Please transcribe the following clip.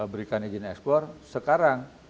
berikan izin ekspor sekarang